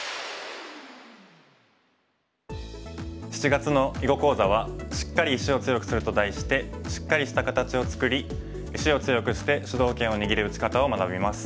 ７月の囲碁講座は「シッカリ石を強くする」と題してシッカリした形を作り石を強くして主導権を握る打ち方を学びます。